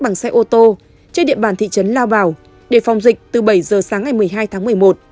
bằng xe ô tô trên địa bàn thị trấn lao bảo để phòng dịch từ bảy giờ sáng ngày một mươi hai tháng một mươi một